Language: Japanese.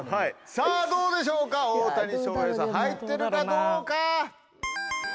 さぁどうでしょうか大谷翔平さん入ってるかどうか。